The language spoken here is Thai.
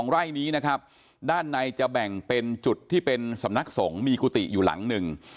ไร่นี้นะครับด้านในจะแบ่งเป็นจุดที่เป็นสำนักสงฆ์มีกุฏิอยู่หลังหนึ่ง